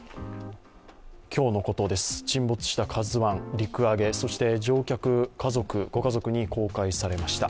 今日のことです、沈没した「ＫＡＺＵⅠ」、陸揚げそして乗客のご家族に公開されました。